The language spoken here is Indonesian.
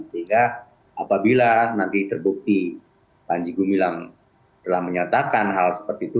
sehingga apabila nanti terbukti panji gumilang telah menyatakan hal seperti itu